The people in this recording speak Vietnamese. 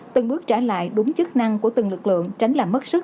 từng bước trả lại đúng chức năng của từng lực lượng tránh làm mất sức